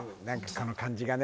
この感じがね